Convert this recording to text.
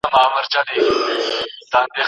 محلي ژبې د لوستنې د څرنګوالي لپاره جلبوي.